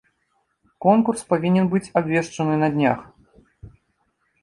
Конкурс павінен быць абвешчаны на днях.